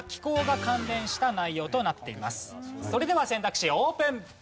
それでは選択肢オープン！